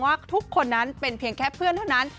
ว่าทุกคนนั้นเป็นเพียงแค่เพื่อนเท่านั้น